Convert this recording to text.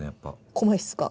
細いっすか。